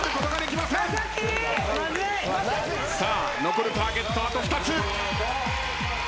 残るターゲットあと２つ。